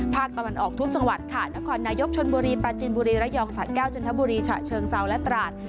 ภาคต่อมานออกทุกจังหวัดขาดนครนายกชนบุรีปาจินบุรีระยองสามารถเจานท์ไก้าวจนธบุรีสะชวงเซาน์ซาวและตราจ